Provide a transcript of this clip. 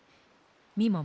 みもも